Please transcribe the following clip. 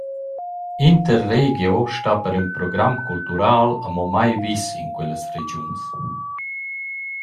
Interregio sta per ün program cultural amo mai vis in quellas regiuns.